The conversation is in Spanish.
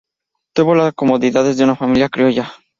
Tuvo las comodidades de una familia criolla.